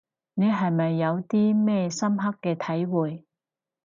你係咪有啲咩深刻嘅體會